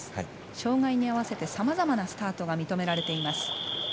障がいに合わせてさまざまなスタートが認められています。